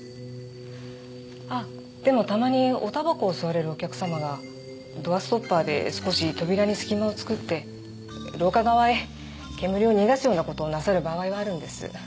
あっでもたまにお煙草を吸われるお客様がドアストッパーで少し扉に隙間を作って廊下側へ煙を逃がすような事をなさる場合はあるんです。